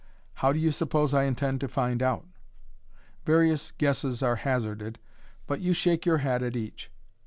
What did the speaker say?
How do you suppose I intend to find out ?" Various guesses are hazarded, but you shake your head at each.